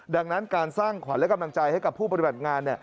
ดังนั้นการสร้างขวัญและกำลังใจให้กับผู้ปฏิบัติงาน